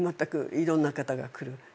いろんな方が来る。